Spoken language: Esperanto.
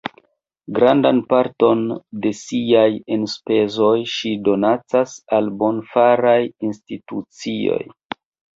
Grandan parton de siaj enspezoj ŝi donacas al bonfaraj institucioj.